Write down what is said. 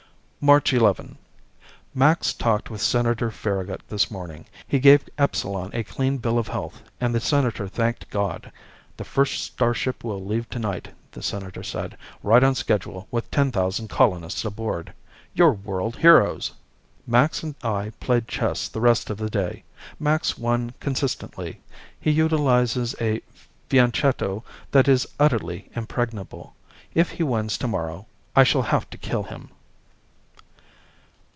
March 11 Max talked with Senator Farragut this morning. He gave Epsilon a clean bill of health and the Senator thanked God. "The first starship will leave tonight," the Senator said. "Right on schedule, with ten thousand colonists aboard. You're world heroes!" Max and I played chess the rest of the day. Max won consistently. He utilizes a fianchetto that is utterly impregnable. If he wins tomorrow, I shall have to kill him.